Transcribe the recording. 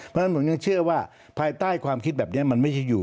เพราะฉะนั้นผมยังเชื่อว่าภายใต้ความคิดแบบนี้มันไม่ใช่อยู่